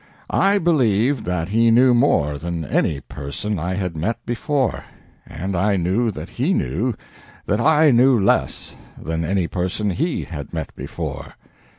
I believed that he knew more than any person I had met before, and I knew that he knew that I knew less than any person he had met before.